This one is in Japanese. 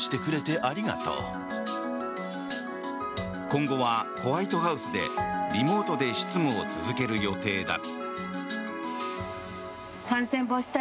今後はホワイトハウスでリモートで執務を続ける予定だ。